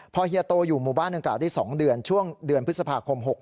พอเฮียโตอยู่หมู่บ้านดังกล่าวได้๒เดือนช่วงเดือนพฤษภาคม๖๖